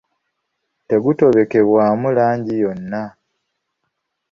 Tegutobekebwamu langi yonna.